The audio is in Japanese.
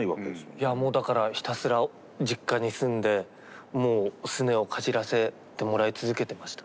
いやもうだからひたすら実家に住んでもうすねをかじらせてもらい続けてました。